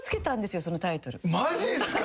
マジっすか！